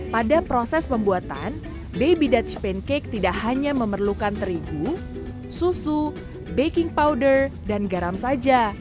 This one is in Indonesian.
pada proses pembuatan baby dutch pancake tidak hanya memerlukan terigu susu baking powder dan garam saja